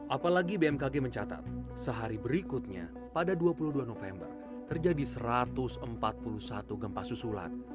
apalagi bmkg mencatat sehari berikutnya pada dua puluh dua november terjadi satu ratus empat puluh satu gempa susulan